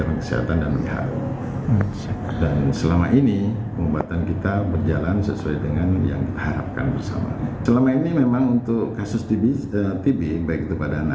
penderita tbc sudah sesuai prosedur